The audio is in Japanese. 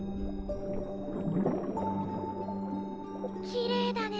きれいだね。